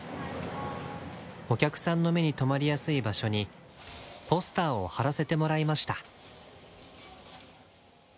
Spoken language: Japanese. お客さんの目に留まりやすい場所にポスターを貼らせてもらいました。